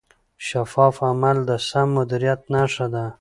شفاف عمل د سم مدیریت نښه ده.